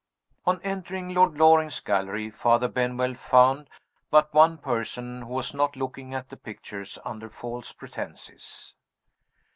On entering Lord Loring's gallery, Father Benwell found but one person who was not looking at the pictures under false pretenses.